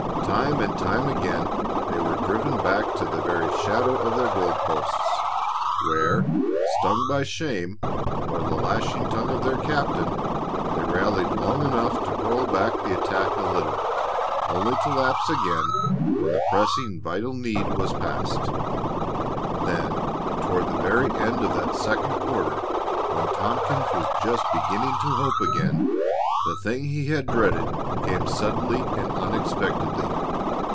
Time and time again they were driven back to the very shadow of their goal posts, where, stung by shame or the lashing tongue of their captain, they rallied long enough to hurl back the attack a little, only to lapse again when the pressing, vital need was past. Then, toward the very end of that second quarter, when Tompkins was just beginning to hope again, the thing he had dreaded came suddenly and unexpectedly.